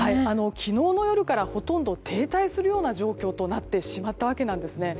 昨日の夜からほとんど停滞するような状況となってしまったんですね。